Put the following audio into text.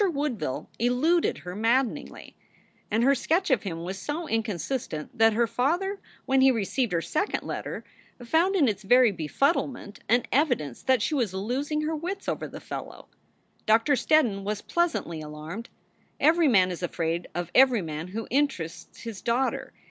Woodville eluded her maddeningly, and her sketch of him was so inconsistent that her father, when he received her second letter, found in its very befuddlement an evidence that she was losing her wits over the fellow. Doctor Steddon was pleasantly alarmed. Every man is afraid of every man who interests his daughter.